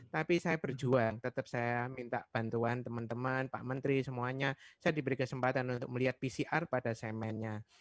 tapi saya berjuang tetap saya minta bantuan teman teman pak menteri semuanya saya diberi kesempatan untuk melihat pcr pada semennya